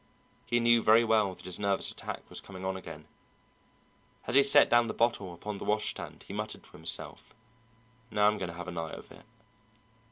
He knew very well that his nervous attack was coming on again. As he set down the bottle upon the washstand he muttered to himself, "Now I'm going to have a night of it."